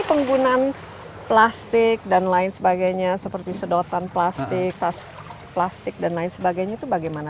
penggunaan plastik dan lain sebagainya seperti sedotan plastik tas plastik dan lain sebagainya itu bagaimana